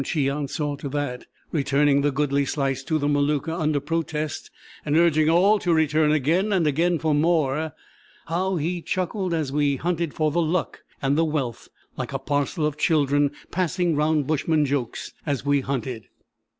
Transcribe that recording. Cheon saw to that, returning the goodly slice to the Maluka under protest, and urging all to return again and again for more. How he chuckled as we hunted for the "luck" and the "wealth," like a parcel of children, passing round bushman jokes as we hunted.